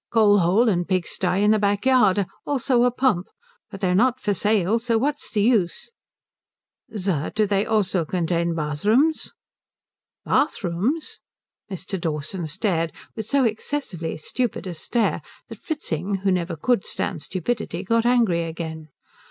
Coal hole and pig stye in the back yard. Also a pump. But they're not for sale, so what's the use " "Sir, do they also contain bathrooms?" "Bathrooms?" Mr. Dawson stared with so excessively stupid a stare that Fritzing, who heaver could stand stupidity, got angry again.